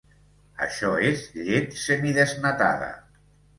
Això és llet semidesnatada.